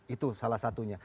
itu salah satunya